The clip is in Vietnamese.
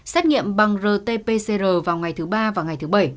xét nghiệm bằng rt pcr vào ngày thứ ba và ngày thứ bảy